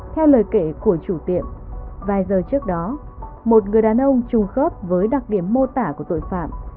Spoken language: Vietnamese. theo lời kể của chủ tiệm vài giờ trước đó một người đàn ông chung khớp với đặc điểm mô tả của tội phạm